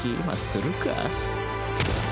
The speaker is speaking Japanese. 今するか？